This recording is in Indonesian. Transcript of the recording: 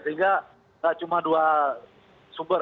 sehingga tidak cuma dua sumber